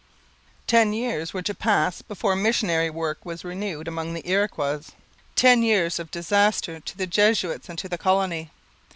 Ten years were to pass before missionary work was renewed among the Iroquois ten years of disaster to the Jesuits and to the colony.